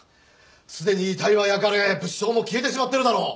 すでに遺体は焼かれ物証も消えてしまってるだろう。